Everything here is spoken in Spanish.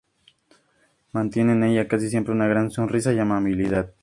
Mantiene en ella casi siempre una gran sonrisa y amabilidad.